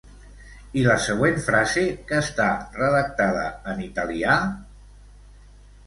I la següent frase que està redactada en italià?